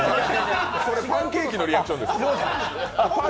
それ、パンケーキのリアクションですよ。